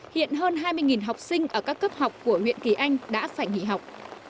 hiện hơn hai mươi học sinh ở các cấp học của huyện kỳ anh đã phải nghỉ học